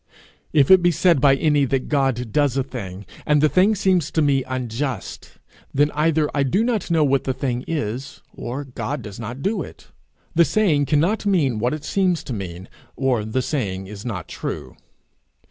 If it be said by any that God does a thing, and the thing seems to me unjust, then either I do not know what the thing is, or God does not do it. The saying cannot mean what it seems to mean, or the saying is not true.